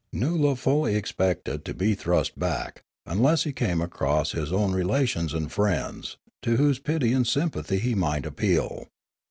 " Noola fully expected to be thrust back, unless he came across his own relations and friends, to whose pity and sympathy he might appeal.